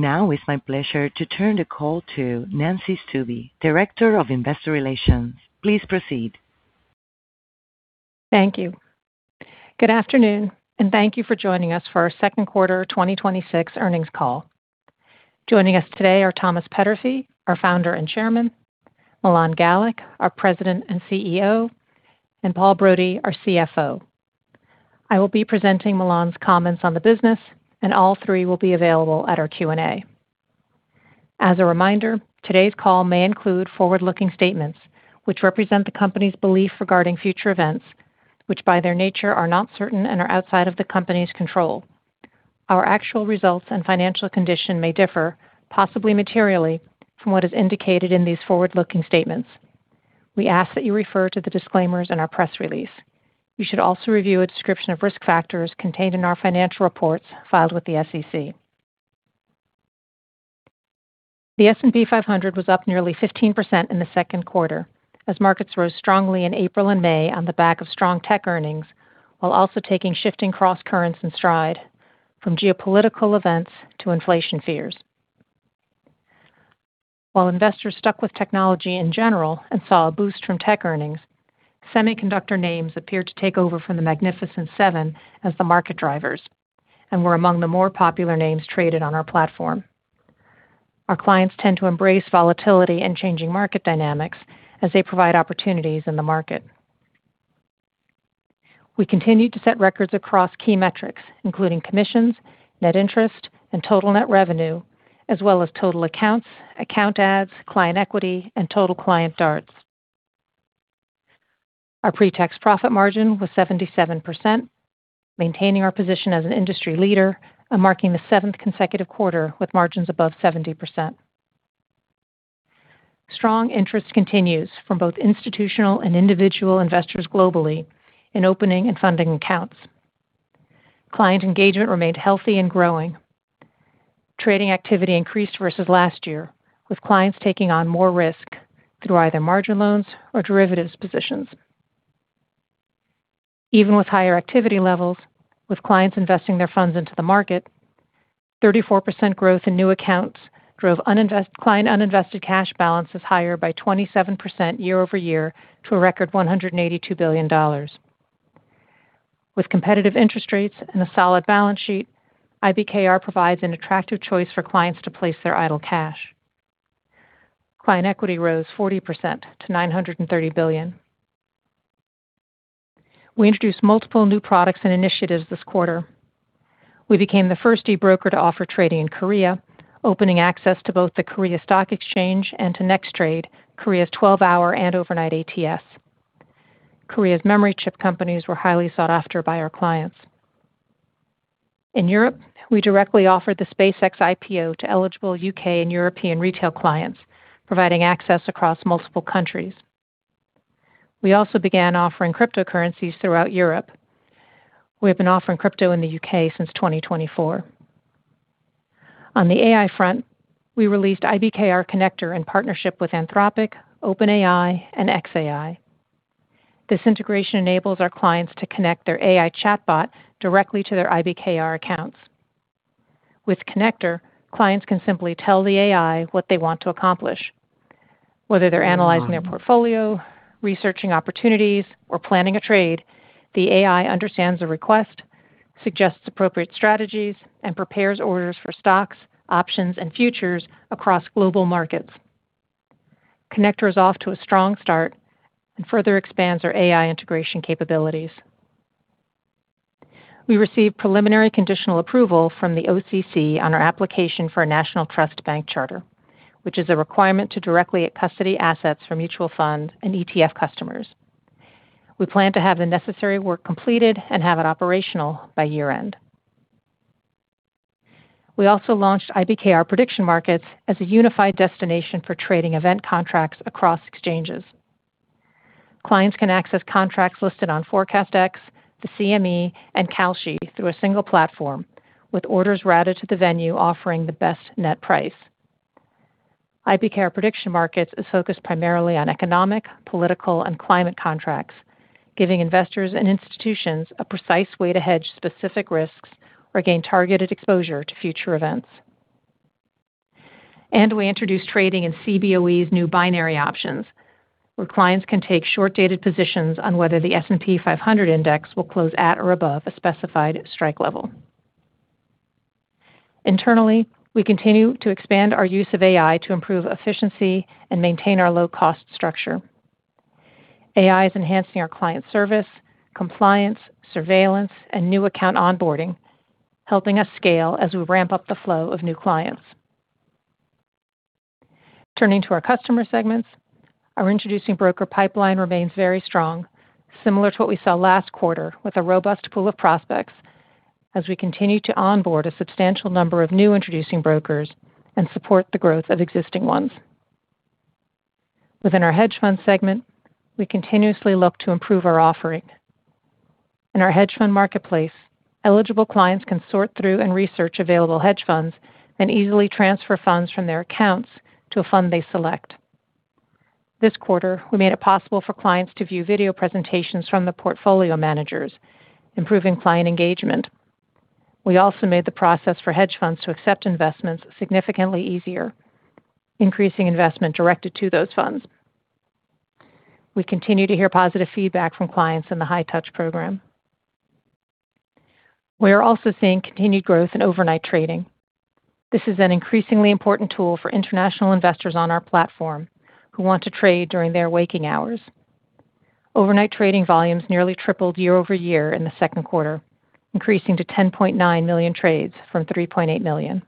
Now, it's my pleasure to turn the call to Nancy Stuebe, Director of Investor Relations. Please proceed. Thank you. Good afternoon, and thank you for joining us for our second quarter 2026 earnings call. Joining us today are Thomas Peterffy, our Founder and Chairman, Milan Galik, our President and CEO, and Paul Brody, our CFO. I will be presenting Milan's comments on the business, and all three will be available at our Q&A. As a reminder, today's call may include forward-looking statements which represent the company's belief regarding future events, which, by their nature, are not certain and are outside of the company's control. Our actual results and financial condition may differ, possibly materially, from what is indicated in these forward-looking statements. We ask that you refer to the disclaimers in our press release. You should also review a description of risk factors contained in our financial reports filed with the SEC. The S&P 500 was up nearly 15% in the second quarter as markets rose strongly in April and May on the back of strong tech earnings, while also taking shifting crosscurrents in stride from geopolitical events to inflation fears. While investors stuck with technology in general and saw a boost from tech earnings, semiconductor names appeared to take over from the Magnificent Seven as the market drivers and were among the more popular names traded on our platform. Our clients tend to embrace volatility and changing market dynamics as they provide opportunities in the market. We continued to set records across key metrics, including commissions, net interest, and total net revenue, as well as total accounts, account adds, client equity, and total client DARTs. Our pre-tax profit margin was 77%, maintaining our position as an industry leader and marking the seventh consecutive quarter with margins above 70%. Strong interest continues from both institutional and individual investors globally in opening and funding accounts. Client engagement remained healthy and growing. Trading activity increased versus last year, with clients taking on more risk through either margin loans or derivatives positions. Even with higher activity levels, with clients investing their funds into the market, 34% growth in new accounts drove client uninvested cash balances higher by 27% year-over-year to a record $182 billion. With competitive interest rates and a solid balance sheet, IBKR provides an attractive choice for clients to place their idle cash. Client equity rose 40% to $930 billion. We introduced multiple new products and initiatives this quarter, we became the first e-broker to offer trading in Korea, opening access to both the Korea Exchange and to Nextrade, Korea's 12-hour and overnight ATS. Korea's memory chip companies were highly sought after by our clients. In Europe, we directly offered the SpaceX IPO to eligible U.K. and European retail clients, providing access across multiple countries. We also began offering cryptocurrencies throughout Europe. We have been offering crypto in the U.K. since 2024. On the AI front, we released IBKR Connector in partnership with Anthropic, OpenAI, and xAI. This integration enables our clients to connect their AI chatbot directly to their IBKR accounts. With Connector, clients can simply tell the AI what they want to accomplish. Whether they're analyzing their portfolio, researching opportunities, or planning a trade, the AI understands the request, suggests appropriate strategies, and prepares orders for stocks, options, and futures across global markets. Connector is off to a strong start and further expands our AI integration capabilities. We received preliminary conditional approval from the OCC on our application for a national trust bank charter, which is a requirement to directly custody assets for mutual fund and ETF customers. We plan to have the necessary work completed and have it operational by year-end. We also launched IBKR Prediction Markets as a unified destination for trading event contracts across exchanges. Clients can access contracts listed on ForecastEx, the CME, and Kalshi through a single platform, with orders routed to the venue offering the best net price. IBKR Prediction Markets is focused primarily on economic, political, and climate contracts, giving investors and institutions a precise way to hedge specific risks or gain targeted exposure to future events. We introduced trading in Cboe's new binary options, where clients can take short-dated positions on whether the S&P 500 index will close at or above a specified strike level. Internally, we continue to expand our use of AI to improve efficiency and maintain our low-cost structure. AI is enhancing our client service, compliance, surveillance, and new account onboarding, helping us scale as we ramp up the flow of new clients. Turning to our customer segments, our introducing broker pipeline remains very strong, similar to what we saw last quarter, with a robust pool of prospects as we continue to onboard a substantial number of new introducing brokers and support the growth of existing ones. Within our hedge fund segment, we continuously look to improve our offering. In our hedge fund marketplace, eligible clients can sort through and research available hedge funds and easily transfer funds from their accounts to a fund they select. This quarter, we made it possible for clients to view video presentations from the portfolio managers, improving client engagement. We also made the process for hedge funds to accept investments significantly easier, increasing investment directed to those funds. We continue to hear positive feedback from clients in the high touch program. We are also seeing continued growth in overnight trading. This is an increasingly important tool for international investors on our platform who want to trade during their waking hours. Overnight trading volumes nearly tripled year-over-year in the second quarter, increasing to 10.9 million trades from 3.8 million.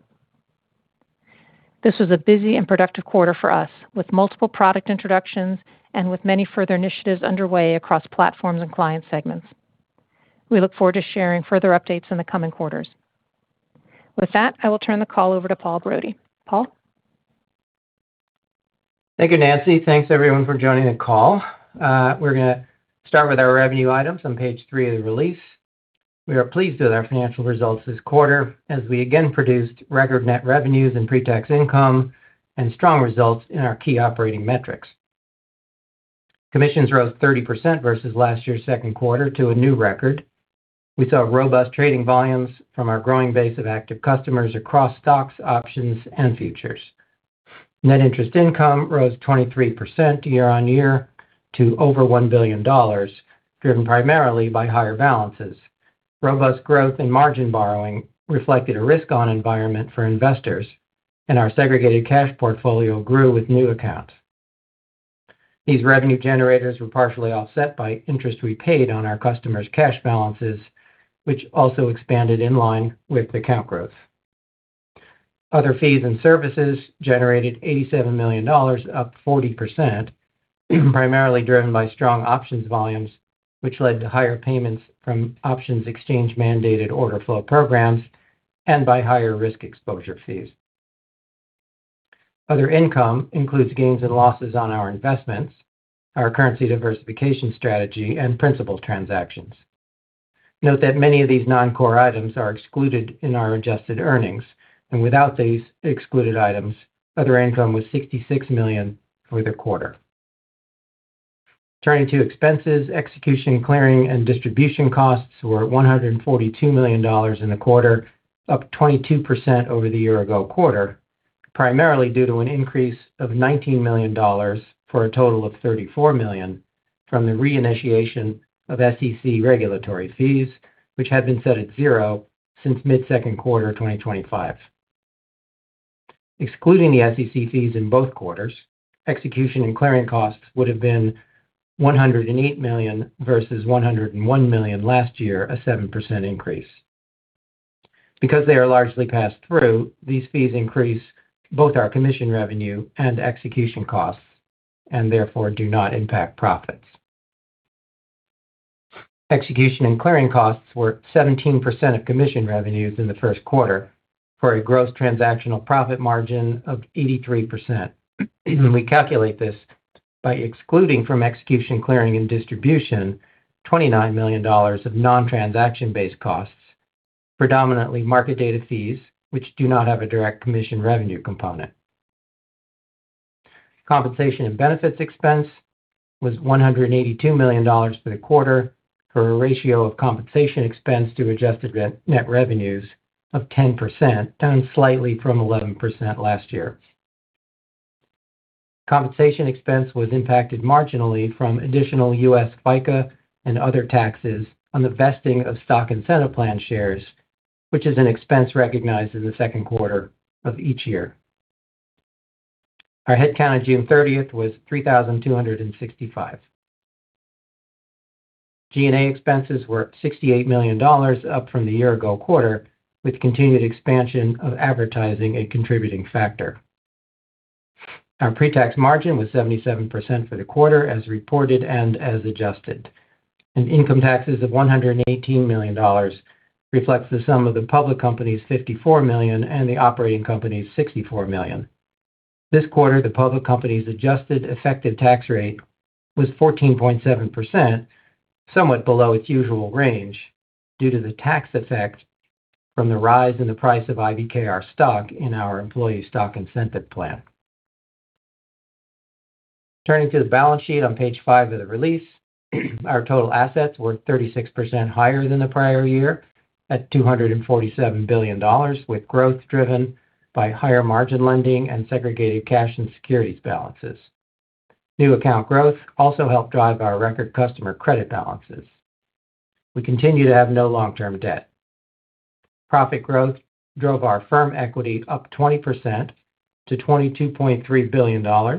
This was a busy and productive quarter for us, with multiple product introductions and with many further initiatives underway across platforms and client segments. We look forward to sharing further updates in the coming quarters. With that, I will turn the call over to Paul Brody. Paul? Thank you, Nancy. Thanks everyone for joining the call. We're going to start with our revenue items on page three of the release. We are pleased with our financial results this quarter, as we again produced record net revenues and pre-tax income and strong results in our key operating metrics. Commissions rose 30% versus last year's second quarter to a new record. We saw robust trading volumes from our growing base of active customers across stocks, options, and futures. Net interest income rose 23% year-on-year to over $1 billion, driven primarily by higher balances. Robust growth in margin borrowing reflected a risk-on environment for investors, and our segregated cash portfolio grew with new accounts. These revenue generators were partially offset by interest we paid on our customers' cash balances, which also expanded in line with account growth. Other fees and services generated $87 million, up 40%, primarily driven by strong options volumes, which led to higher payments from options exchange-mandated order flow programs and by higher risk exposure fees. Other income includes gains and losses on our investments, our currency diversification strategy, and principal transactions. Note that many of these non-core items are excluded in our adjusted earnings, and without these excluded items, other income was $66 million for the quarter. Turning to expenses, execution, clearing, and distribution costs were $142 million in the quarter, up 22% over the year-ago quarter, primarily due to an increase of $19 million for a total of $34 million from the reinitiation of SEC regulatory fees, which had been set at zero since mid second quarter 2025. Excluding the SEC fees in both quarters, execution and clearing costs would have been $108 million versus $101 million last year, a 7% increase. Because they are largely passed through, these fees increase both our commission revenue and execution costs, and therefore do not impact profits. Execution and clearing costs were 17% of commission revenues in the first quarter, for a gross transactional profit margin of 83%. We calculate this by excluding from execution, clearing, and distribution $29 million of non-transaction based costs, predominantly market data fees, which do not have a direct commission revenue component. Compensation and benefits expense was $182 million for the quarter, for a ratio of compensation expense to adjusted net revenues of 10%, down slightly from 11% last year. Compensation expense was impacted marginally from additional U.S. FICA and other taxes on the vesting of stock incentive plan shares, which is an expense recognized in the second quarter of each year. Our headcount on June 30th was 3,265. G&A expenses were $68 million, up from the year-ago quarter, with continued expansion of advertising a contributing factor. Our pre-tax margin was 77% for the quarter as reported and as adjusted, and income taxes of $118 million reflects the sum of the public company's $54 million and the operating company's $64 million. This quarter, the public company's adjusted effective tax rate was 14.7%, somewhat below its usual range due to the tax effect from the rise in the price of IBKR stock in our employee stock incentive plan. Turning to the balance sheet on page five of the release, our total assets were 36% higher than the prior year at $247 billion, with growth driven by higher margin lending and segregated cash and securities balances. New account growth also helped drive our record customer credit balances. We continue to have no long-term debt. Profit growth drove our firm equity up 20% to $22.3 billion.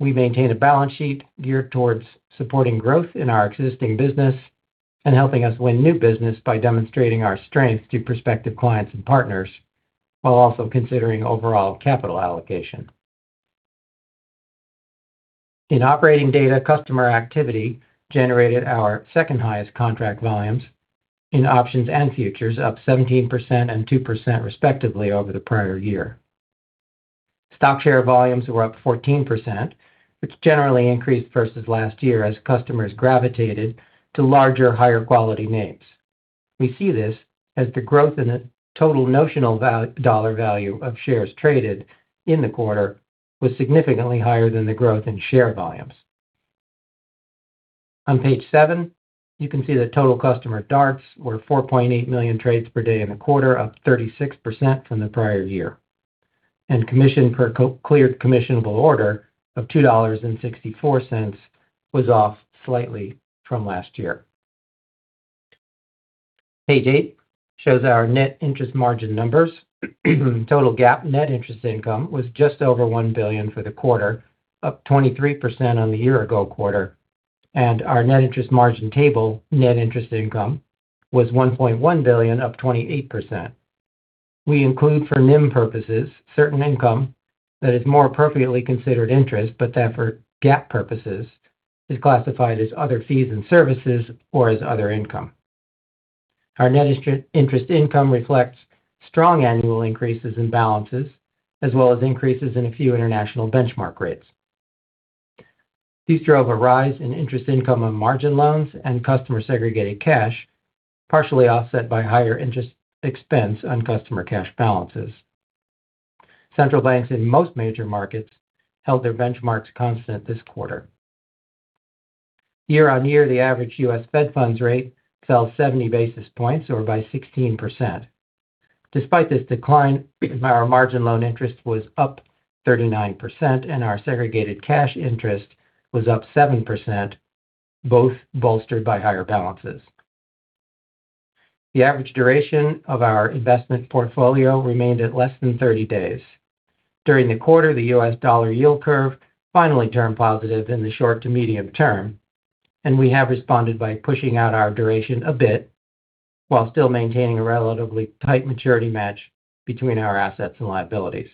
We maintain a balance sheet geared towards supporting growth in our existing business and helping us win new business by demonstrating our strength to prospective clients and partners while also considering overall capital allocation. In operating data, customer activity generated our second highest contract volumes in options and futures, up 17% and 2% respectively over the prior year. Stock share volumes were up 14%, which generally increased versus last year as customers gravitated to larger, higher quality names. We see this as the growth in the total notional dollar value of shares traded in the quarter was significantly higher than the growth in share volumes. On page seven, you can see the total customer DARTs were 4.8 million trades per day in the quarter, up 36% from the prior year. Commission per cleared commissionable order of $2.64 was off slightly from last year. Page eight shows our net interest margin numbers. Total GAAP net interest income was just over $1 billion for the quarter, up 23% on the year ago quarter. Our net interest margin table net interest income was $1.1 billion, up 28%. We include for NIM purposes, certain income that is more appropriately considered interest, but that for GAAP purposes is classified as other fees and services or as other income. Our net interest income reflects strong annual increases in balances, as well as increases in a few international benchmark rates. These drove a rise in interest income on margin loans and customer segregated cash, partially offset by higher interest expense on customer cash balances. Central banks in most major markets held their benchmarks constant this quarter. Year-on-year, the average U.S. Fed funds rate fell 70 basis points, or by 16%. Despite this decline, our margin loan interest was up 39% and our segregated cash interest was up 7%, both bolstered by higher balances. The average duration of our investment portfolio remained at less than 30 days. During the quarter, the U.S. dollar yield curve finally turned positive in the short to medium term. We have responded by pushing out our duration a bit while still maintaining a relatively tight maturity match between our assets and liabilities.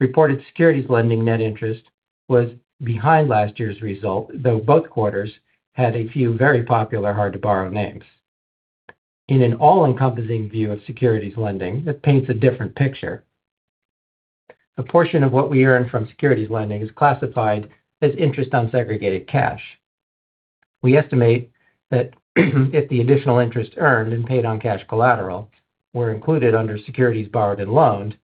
Reported securities lending net interest was behind last year's result, though both quarters had a few very popular, hard to borrow names. In an all-encompassing view of securities lending, that paints a different picture. A portion of what we earn from securities lending is classified as interest unsegregated cash. We estimate that, if the additional interest earned and paid on cash collateral were included under securities borrowed and loaned,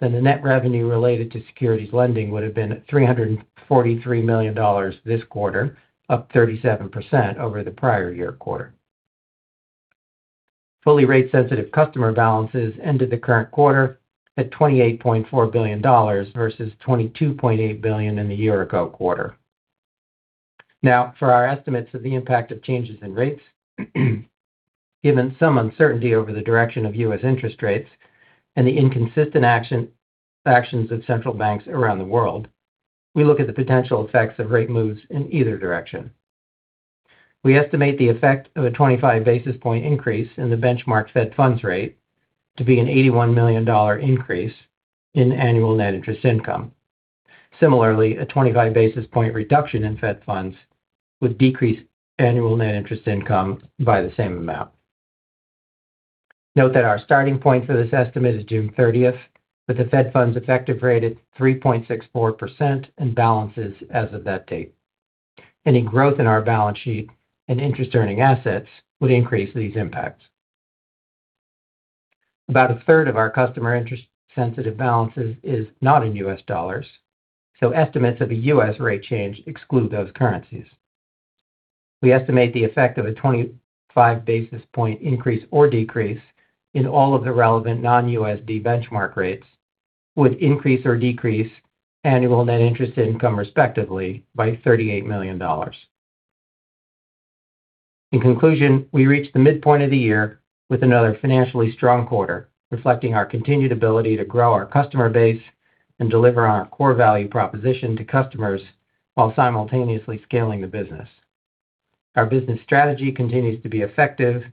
then the net revenue related to securities lending would have been at $343 million this quarter, up 37% over the prior year quarter. Fully rate-sensitive customer balances ended the current quarter at $28.4 billion, versus $22.8 billion in the year ago quarter. For our estimates of the impact of changes in rates, given some uncertainty over the direction of U.S. interest rates and the inconsistent actions of central banks around the world, we look at the potential effects of rate moves in either direction. We estimate the effect of a 25 basis point increase in the benchmark Fed funds rate to be an $81 million increase in annual net interest income. Similarly, a 25 basis point reduction in Fed funds would decrease annual net interest income by the same amount. Note that our starting point for this estimate is June 30th, with the Fed funds effective rate at 3.64% in balances as of that date. Any growth in our balance sheet and interest-earning assets would increase these impacts. About 1/3 of our customer interest-sensitive balances is not in U.S. dollars, so estimates of a U.S. rate change exclude those currencies. We estimate the effect of a 25 basis point increase or decrease in all of the relevant non-USD benchmark rates would increase or decrease annual net interest income respectively by $38 million. In conclusion, we reached the midpoint of the year with another financially strong quarter, reflecting our continued ability to grow our customer base and deliver on our core value proposition to customers while simultaneously scaling the business. Our business strategy continues to be effective,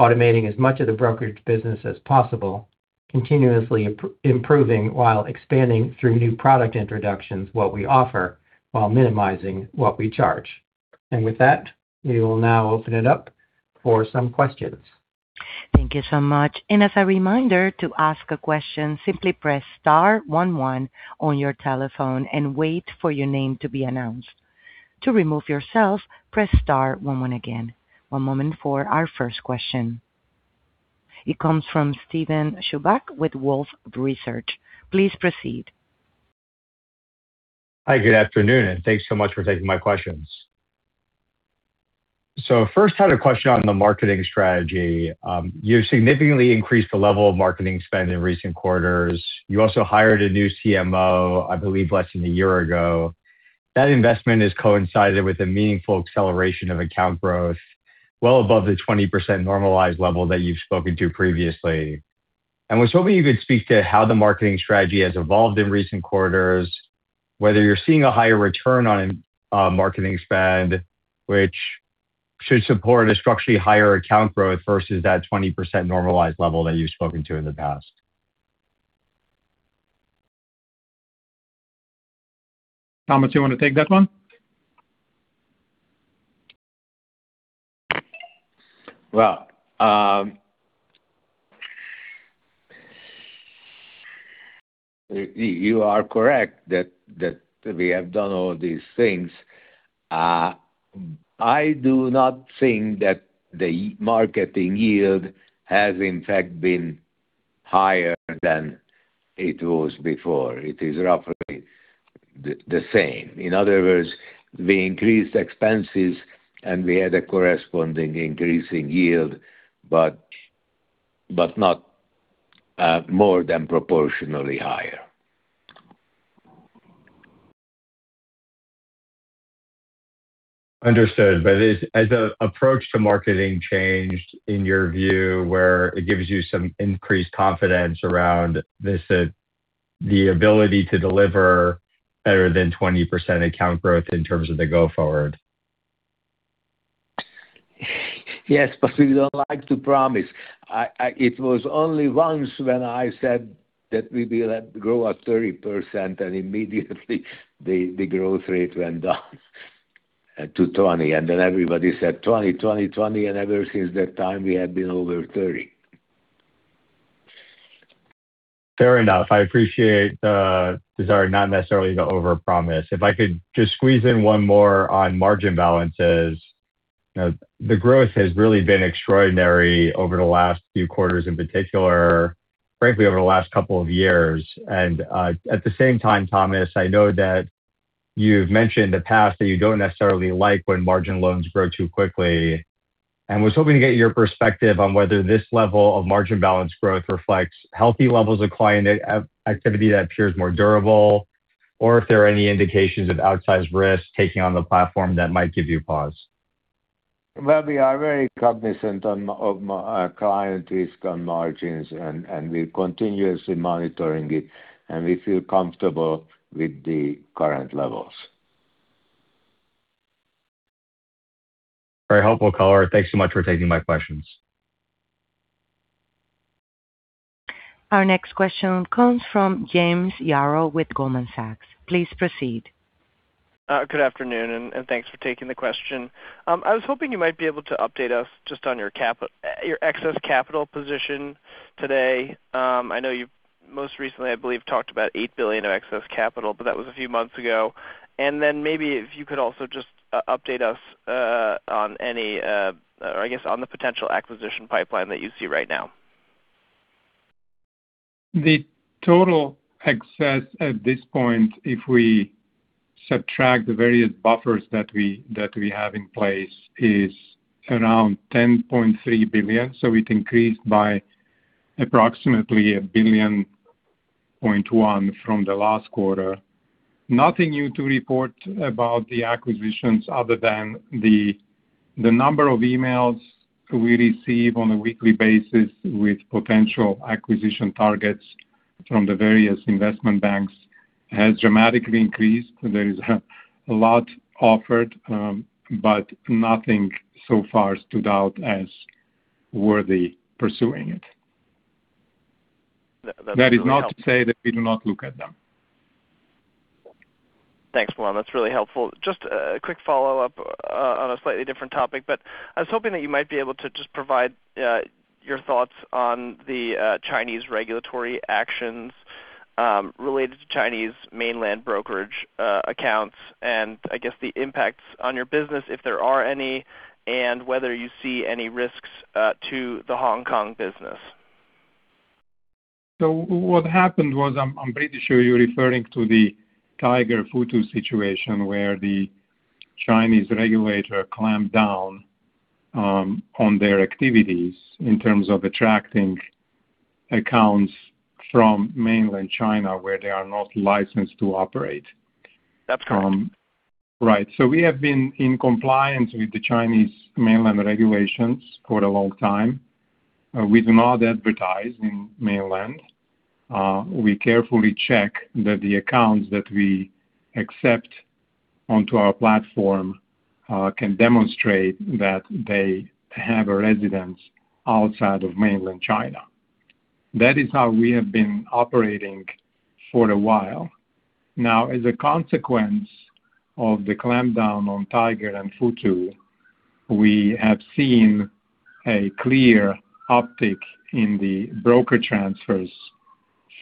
automating as much of the brokerage business as possible, continuously improving while expanding through new product introductions, what we offer while minimizing what we charge. With that, we will now open it up for some questions. Thank you so much. As a reminder to ask a question, simply press star one one on your telephone and wait for your name to be announced. To remove yourself, press star one one again. One moment for our first question. It comes from Steven Chubak with Wolfe Research. Please proceed. Hi. Good afternoon, and thanks so much for taking my questions. So first, I had a question on the marketing strategy. You've significantly increased the level of marketing spend in recent quarters. You also hired a new CMO, I believe, less than a year ago. That investment has coincided with a meaningful acceleration of account growth well above the 20% normalized level that you've spoken to previously. I was hoping you could speak to how the marketing strategy has evolved in recent quarters, whether you're seeing a higher return on marketing spend, which should support a structurally higher account growth versus that 20% normalized level that you've spoken to in the past. Thomas, you want to take that one? You are correct that we have done all these things. I do not think that the marketing yield has in fact been higher than it was before. It is roughly the same. In other words, we increased expenses and we had a corresponding increase in yield, but not more than proportionally higher. Understood. Has the approach to marketing changed, in your view, where it gives you some increased confidence around the ability to deliver better than 20% account growth in terms of the go forward? Yes, but we don't like to promise. It was only once when I said that we will grow at 30%, and immediately the growth rate went down to 20%. Everybody said, "20%, 20%, 20%," and ever since that time we have been over 30%. Fair enough, I appreciate the desire not necessarily to overpromise. If I could just squeeze in one more on margin balances, the growth has really been extraordinary over the last few quarters in particular, frankly, over the last couple of years. At the same time, Thomas, I know that you've mentioned in the past that you don't necessarily like when margin loans grow too quickly, and was hoping to get your perspective on whether this level of margin balance growth reflects healthy levels of client activity that appears more durable, or if there are any indications of outsized risk-taking on the platform that might give you pause? Well, we are very cognizant of our client risk on margins, and we're continuously monitoring it, and we feel comfortable with the current levels. Very helpful color, thanks so much for taking my questions. Our next question comes from James Yaro with Goldman Sachs. Please proceed. Good afternoon, thanks for taking the question. I was hoping you might be able to update us just on your excess capital position today. I know you most recently, I believe, talked about $8 billion of excess capital. That was a few months ago. Maybe if you could also just update us on the potential acquisition pipeline that you see right now? The total excess at this point, if we subtract the various buffers that we have in place, is around $10.3 billion. It increased by approximately $1.1 billion from the last quarter. Nothing new to report about the acquisitions other than the number of emails we receive on a weekly basis with potential acquisition targets from the various investment banks has dramatically increased. There is a lot offered. Nothing so far stood out as worthy pursuing it. That's really helpful. That is not to say that we do not look at them. Thanks, Milan. That's really helpful. Just a quick follow-up on a slightly different topic, but I was hoping that you might be able to just provide your thoughts on the Chinese regulatory actions related to Chinese mainland brokerage accounts and the impacts on your business, if there are any, and whether you see any risks to the Hong Kong business. What happened was, I'm pretty sure you're referring to the Tiger-Futu situation where the Chinese regulator clamped down on their activities in terms of attracting accounts from mainland China where they are not licensed to operate. That's correct. Right. We have been in compliance with the Chinese mainland regulations for a long time. We do not advertise in mainland. We carefully check that the accounts that we accept onto our platform can demonstrate that they have a residence outside of mainland China. That is how we have been operating for a while. As a consequence of the clampdown on Tiger and Futu, we have seen a clear uptick in the broker transfers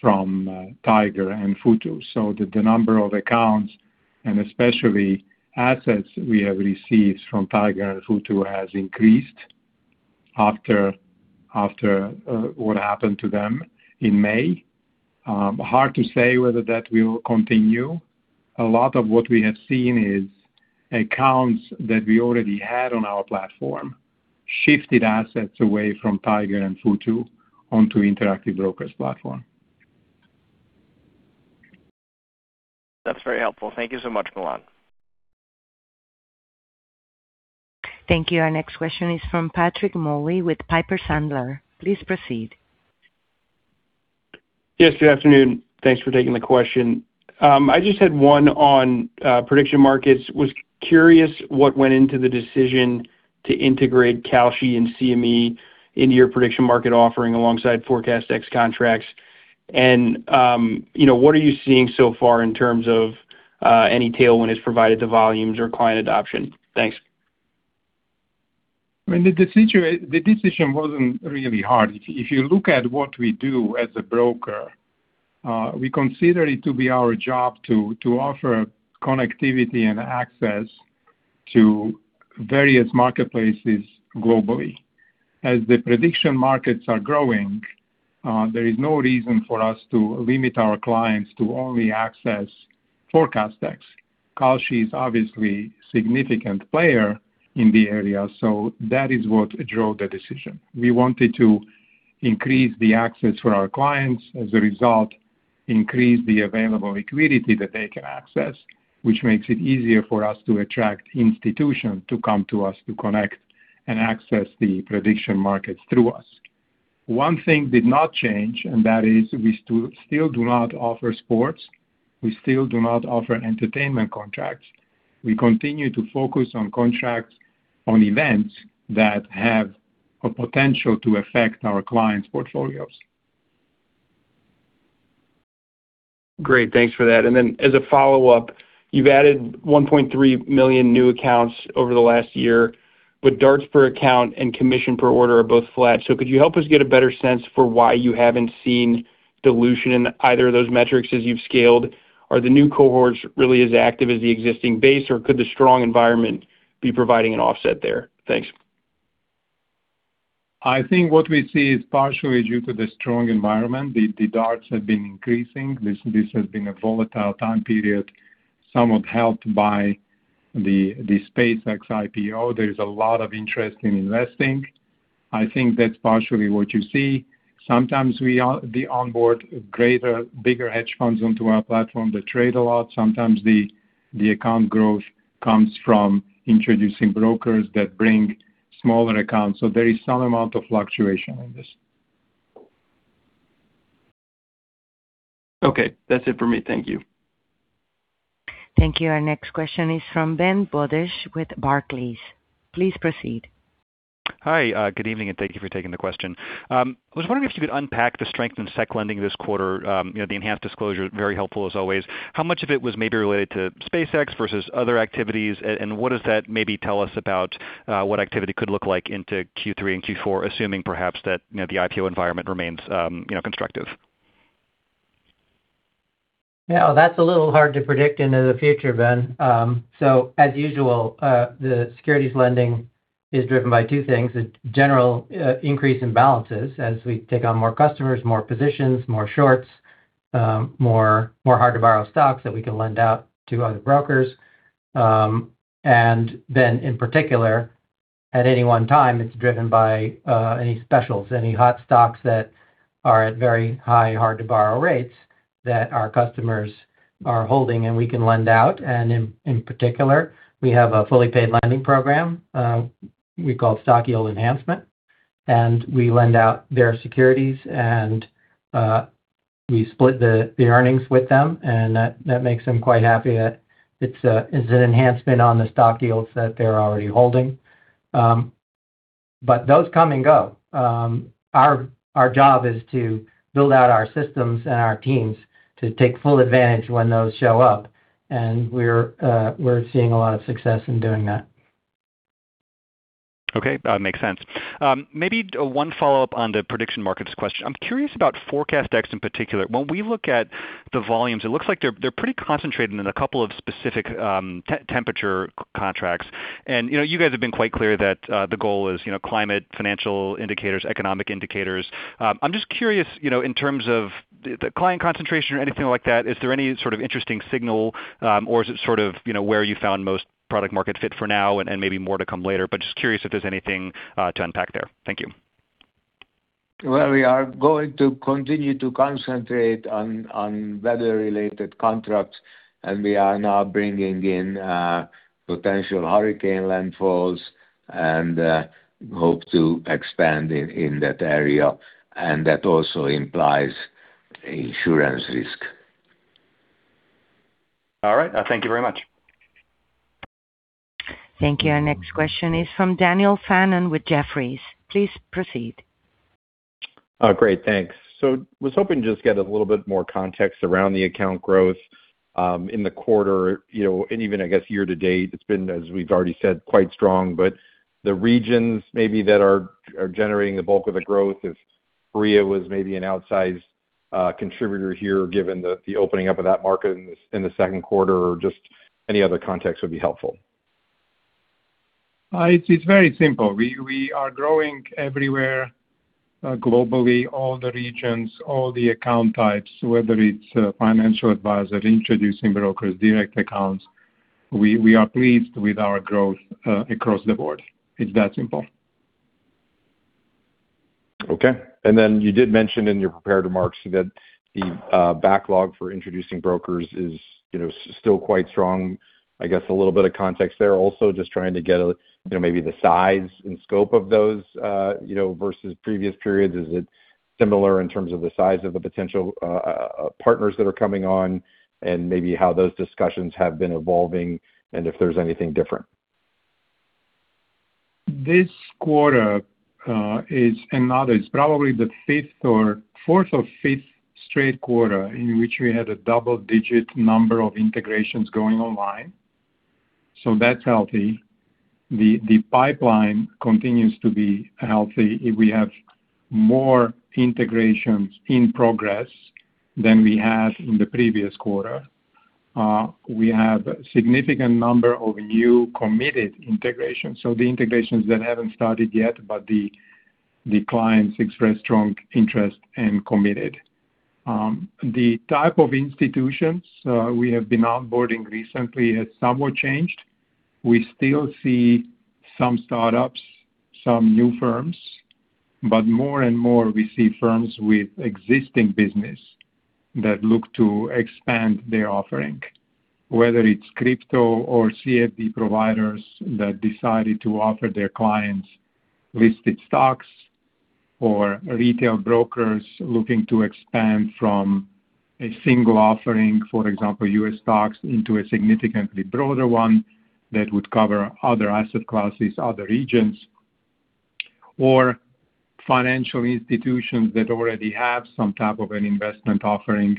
from Tiger and Futu. The number of accounts, and especially assets we have received from Tiger and Futu, has increased after what happened to them in May. Hard to say whether that will continue, a lot of what we have seen is accounts that we already had on our platform shifted assets away from Tiger and Futu onto Interactive Brokers platform. That's very helpful. Thank you so much, Milan. Thank you. Our next question is from Patrick Moley with Piper Sandler. Please proceed. Yes, good afternoon. Thanks for taking the question. I just had one on prediction markets. Was curious what went into the decision to integrate Kalshi and CME into your prediction market offering alongside ForecastEx contracts. What are you seeing so far in terms of any tailwind it's provided to volumes or client adoption? Thanks. The decision wasn't really hard. If you look at what we do as a broker, we consider it to be our job to offer connectivity and access to various marketplaces globally. As the prediction markets are growing, there is no reason for us to limit our clients to only access ForecastEx. Kalshi is obviously a significant player in the area, that is what drove the decision. We wanted to increase the access for our clients, as a result, increase the available liquidity that they can access, which makes it easier for us to attract institutions to come to us to connect and access the prediction markets through us. One thing did not change, that is we still do not offer sports. We still do not offer entertainment contracts. We continue to focus on contracts on events that have a potential to affect our clients' portfolios. Great, thanks for that. As a follow-up, you've added 1.3 million new accounts over the last year, DARTs per account and commission per order are both flat. Could you help us get a better sense for why you haven't seen dilution in either of those metrics as you've scaled? Are the new cohorts really as active as the existing base, or could the strong environment be providing an offset there? Thanks. I think what we see is partially due to the strong environment. The DARTs have been increasing. This has been a volatile time period, somewhat helped by the SpaceX IPO. There is a lot of interest in investing. I think that is partially what you see. Sometimes we onboard bigger hedge funds onto our platform that trade a lot, sometimes the account growth comes from introducing brokers that bring smaller accounts. There is some amount of fluctuation in this. Okay, that is it for me. Thank you. Thank you. Our next question is from Ben Budish with Barclays. Please proceed. Hi. Good evening, and thank you for taking the question. I was wondering if you could unpack the strength in sec lending this quarter. The enhanced disclosure, very helpful as always. How much of it was maybe related to SpaceX versus other activities, and what does that maybe tell us about what activity could look like into Q3 and Q4, assuming perhaps that the IPO environment remains constructive? Yeah, that's a little hard to predict into the future, Ben. As usual, the securities lending is driven by two things, a general increase in balances as we take on more customers, more positions, more shorts, more hard-to-borrow stocks that we can lend out to other brokers. In particular, at any one time, it's driven by any specials, any hot stocks that are at very high, hard-to-borrow rates that our customers are holding, and we can lend out. In particular, we have a fully paid lending program we call Stock Yield Enhancement, and we lend out their securities, and we split the earnings with them, and that makes them quite happy that it's an enhancement on the stock yields that they're already holding. Those come and go. Our job is to build out our systems and our teams to take full advantage when those show up, and we're seeing a lot of success in doing that. Okay, that makes sense. Maybe one follow-up on the Prediction Markets question. I'm curious about ForecastEx in particular. When we look at the volumes, it looks like they're pretty concentrated in a couple of specific temperature contracts. You guys have been quite clear that the goal is climate, financial indicators, economic indicators. I'm just curious, in terms of the client concentration or anything like that, is there any sort of interesting signal? Is it sort of where you found most product market fit for now and maybe more to come later? Just curious if there's anything to unpack there. Thank you. Well, we are going to continue to concentrate on weather-related contracts, and we are now bringing in potential hurricane landfalls and hope to expand in that area, and that also implies insurance risk. All right, thank you very much. Thank you. Our next question is from Daniel Fannon with Jefferies. Please proceed. Great, thanks. Was hoping to just get a little bit more context around the account growth in the quarter, and even I guess year-to-date. It has been, as we have already said, quite strong, but the regions maybe that are generating the bulk of the growth, if Korea was maybe an outsized contributor here given the opening up of that market in the second quarter, or just any other context would be helpful. It's very simple. We are growing everywhere globally, all the regions, all the account types, whether it's financial advisor, introducing brokers, direct accounts. We are pleased with our growth across the board. It's that simple. Okay. You did mention in your prepared remarks that the backlog for introducing brokers is still quite strong. I guess a little bit of context there. Also, just trying to get maybe the size and scope of those versus previous periods. Is it similar in terms of the size of the potential partners that are coming on, and maybe how those discussions have been evolving and if there's anything different. This quarter is another. It's probably the fourth or fifth straight quarter in which we had a double-digit number of integrations going online, that's healthy. The pipeline continues to be healthy. We have more integrations in progress than we had in the previous quarter. We have a significant number of new committed integrations, so the integrations that haven't started yet, but the clients expressed strong interest and committed. The type of institutions we have been onboarding recently has somewhat changed. We still see some startups, some new firms. More and more we see firms with existing business that look to expand their offering, whether it's crypto or CFD providers that decided to offer their clients listed stocks, or retail brokers looking to expand from a single offering, for example, U.S. stocks, into a significantly broader one that would cover other asset classes, other regions, or financial institutions that already have some type of an investment offering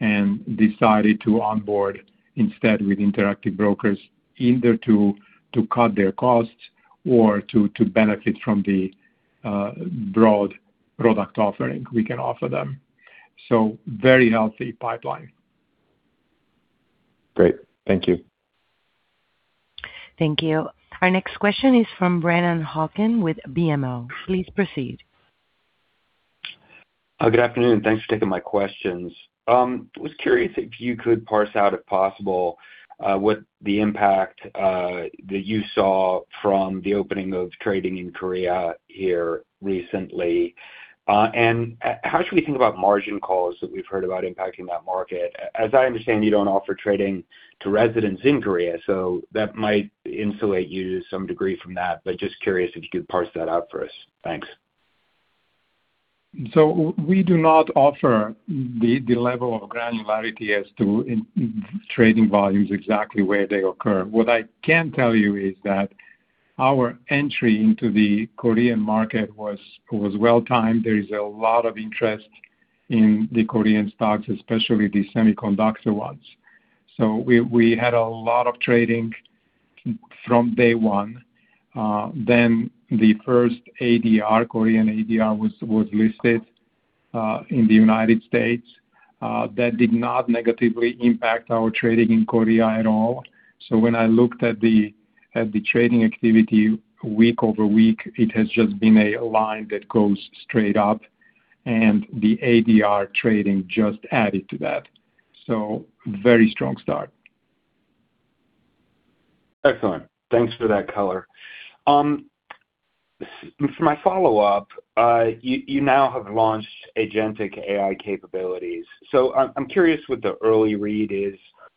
and decided to onboard instead with Interactive Brokers, either to cut their costs or to benefit from the broad product offering we can offer them. Very healthy pipeline. Great. Thank you. Thank you. Our next question is from Brennan Hawken with BMO. Please proceed. Good afternoon, thanks for taking my questions. I was curious if you could parse out, if possible, what the impact, that you saw from the opening of trading in Korea here recently. How should we think about margin calls that we've heard about impacting that market? As I understand, you don't offer trading to residents in Korea, so that might insulate you to some degree from that. Just curious if you could parse that out for us. Thanks. We do not offer the level of granularity as to trading volumes exactly where they occur. What I can tell you is that our entry into the Korean market was well-timed. There is a lot of interest in the Korean stocks, especially the semiconductor ones. We had a lot of trading from day one. The first ADR, Korean ADR, was listed, in the United States. That did not negatively impact our trading in Korea at all. When I looked at the trading activity week-over-week, it has just been a line that goes straight up, and the ADR trading just added to that. Very strong start. Excellent, thanks for that color. For my follow-up, you now have launched agentic AI capabilities. I'm curious what the early read is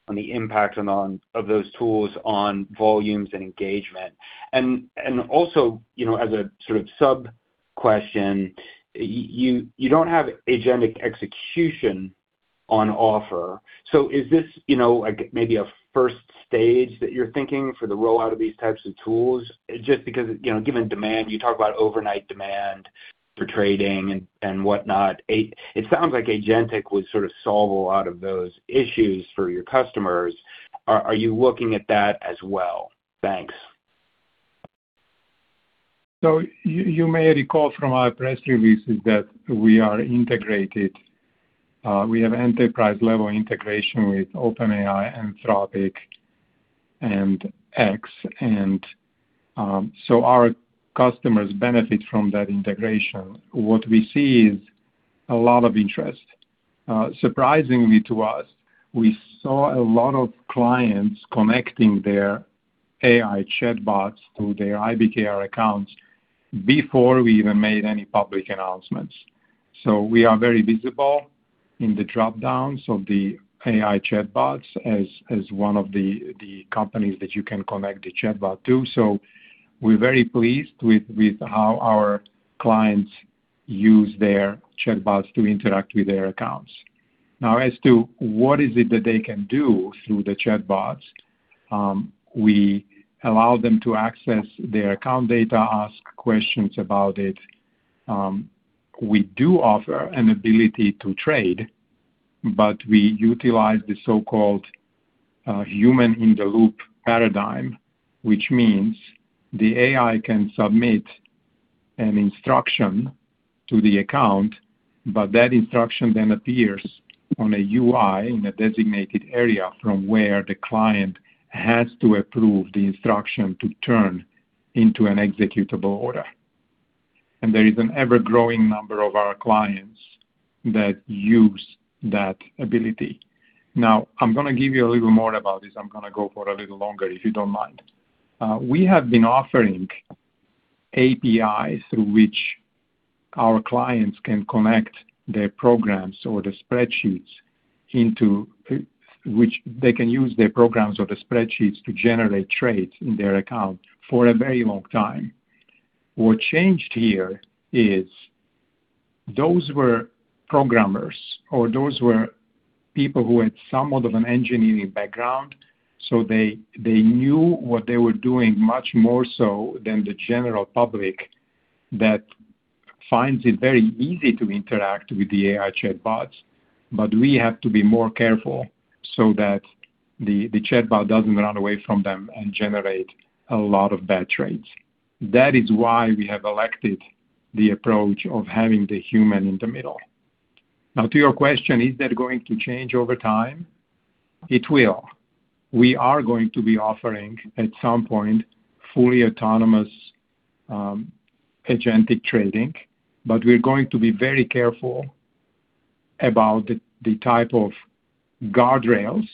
on the impact of those tools on volumes and engagement. Also, as a sort of sub-question, you don't have agentic execution on offer. Is this maybe a first stage that you're thinking for the rollout of these types of tools? Because, given demand, you talk about overnight demand for trading and whatnot. It sounds like agentic would sort of solve a lot of those issues for your customers. Are you looking at that as well? Thanks. You may recall from our press releases that we are integrated. We have enterprise-level integration with OpenAI, Anthropic, and xAI. Our customers benefit from that integration. What we see is a lot of interest. Surprisingly to us, we saw a lot of clients connecting their AI chatbots to their IBKR accounts before we even made any public announcements. We are very visible in the drop-downs of the AI chatbots as one of the companies that you can connect the chatbot to. We're very pleased with how our clients use their chatbots to interact with their accounts. Now, as to what is it that they can do through the chatbots, we allow them to access their account data, ask questions about it. We do offer an ability to trade. We utilize the so-called human-in-the-loop paradigm, which means the AI can submit an instruction to the account. That instruction then appears on a UI in a designated area from where the client has to approve the instruction to turn into an executable order. There is an ever-growing number of our clients that use that ability. I'm going to give you a little more about this. I'm going to go for a little longer, if you don't mind. We have been offering APIs through which our clients can connect their programs or their spreadsheets, which they can use their programs or their spreadsheets to generate trades in their account for a very long time. What changed here is those were programmers, or those were people who had somewhat of an engineering background. They knew what they were doing much more so than the general public, that finds it very easy to interact with the AI chatbots. We have to be more careful so that the chatbot doesn't run away from them and generate a lot of bad trades. That is why we have elected the approach of having the human in the middle. To your question, is that going to change over time? It will. We are going to be offering, at some point, fully autonomous agentic trading. We're going to be very careful about the type of guardrails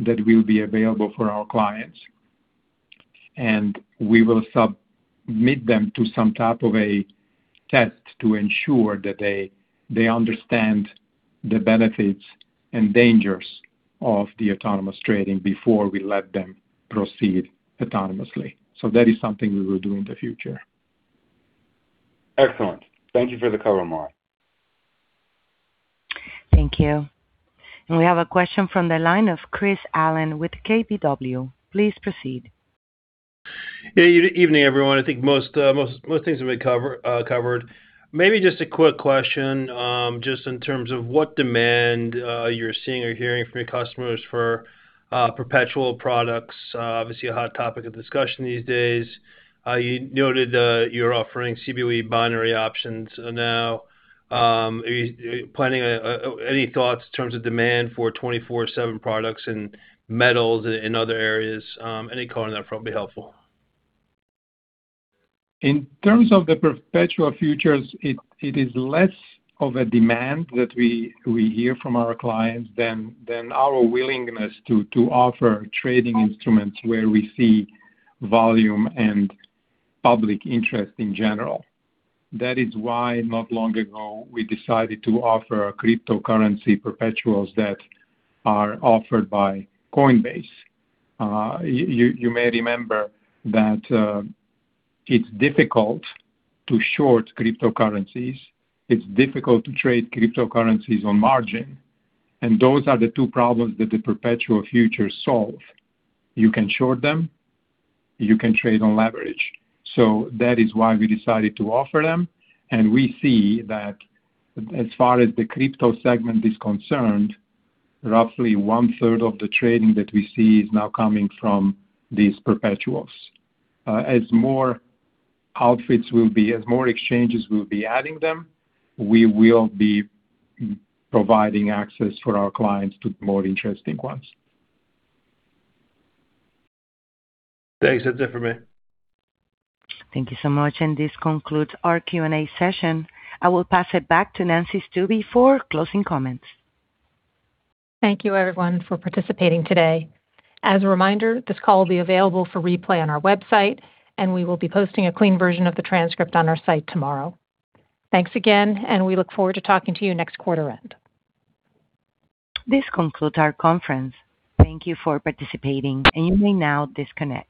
that will be available for our clients. We will submit them to some type of a test to ensure that they understand the benefits and dangers of the autonomous trading before we let them proceed autonomously. That is something we will do in the future. Excellent. Thank you for the color, Milan. Thank you. We have a question from the line of Chris Allen with KBW. Please proceed. Evening, everyone. I think most things have been covered. Maybe just a quick question, just in terms of what demand you're seeing or hearing from your customers for perpetual products. Obviously, a hot topic of discussion these days. You noted you're offering Cboe binary options now. Any thoughts in terms of demand for 24/7 products in metals, in other areas? Any color on that front would be helpful. In terms of the perpetual futures, it is less of a demand that we hear from our clients than our willingness to offer trading instruments where we see volume and public interest in general. Not long ago we decided to offer cryptocurrency perpetuals that are offered by Coinbase. You may remember that it's difficult to short cryptocurrencies, it's difficult to trade cryptocurrencies on margin, and those are the two problems that the perpetual futures solve. You can short them, you can trade on leverage. We decided to offer them, and we see that as far as the crypto segment is concerned, roughly 1/3 of the trading that we see is now coming from these perpetuals. As more outfits will be, as more exchanges will be adding them, we will be providing access for our clients to the more interesting ones. Thanks, that's it for me. Thank you so much. This concludes our Q&A session. I will pass it back to Nancy Stuebe for closing comments. Thank you, everyone, for participating today. As a reminder, this call will be available for replay on our website, we will be posting a clean version of the transcript on our site tomorrow. Thanks again, we look forward to talking to you next quarter end. This concludes our conference. Thank you for participating, you may now disconnect.